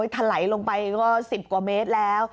ถลายลงไปก็๑๐กว่าเมตรแล้ว